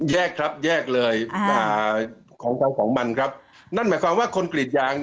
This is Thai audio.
แยกครับแยกเลยอ่าของเขาของมันครับนั่นหมายความว่าคนกรีดยาง